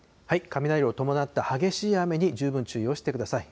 雷を伴った激しい雨に十分注意をしてください。